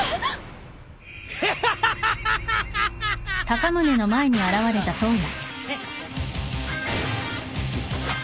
フハハハハ！ぐっ！？